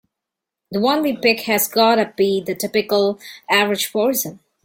The one we pick has gotta be the typical average person.